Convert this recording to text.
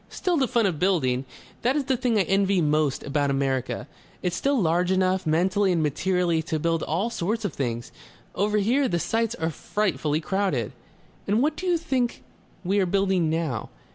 "Still the fun of building. That is the thing I envy most about America. It's still large enough, mentally and materially, to build all sorts of things.... Over here, the sites are frightfully crowded...." "And what do you think we are building now?